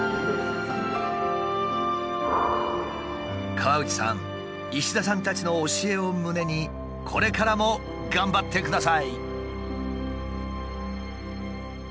河内さん石田さんたちの教えを胸にこれからも頑張ってください！